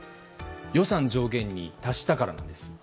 予算上限に達したからなんです。